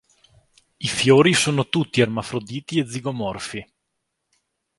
I fiori sono tutti ermafroditi e zigomorfi.